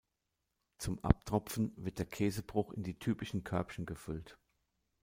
Zum Abtropfen wird der Käsebruch in die typischen Körbchen gefüllt.